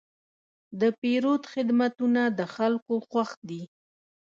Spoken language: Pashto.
د پیرود خدمتونه د خلکو خوښ دي.